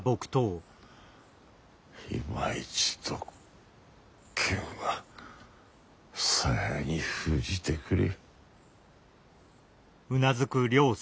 いま一度剣は鞘に封じてくれ。